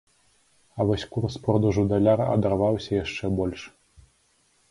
А вось курс продажу даляра адарваўся яшчэ больш.